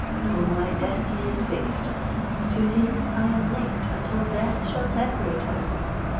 No: my destiny is fixed; to him I am linked until death shall separate us!